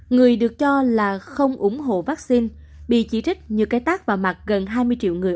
người được cho là không ủng hộ vaccine bị chỉ trích như cái tác vào mặt gần hai mươi triệu người